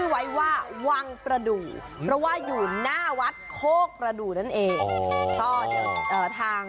ไว้ว่าวังประดูกเพราะว่าอยู่หน้าวัดโคกประดูกนั่นเอง